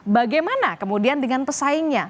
bagaimana kemudian dengan pesaingnya